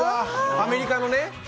アメリカのね。